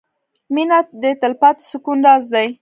• مینه د تلپاتې سکون راز دی.